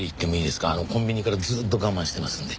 コンビニからずっと我慢してますんで。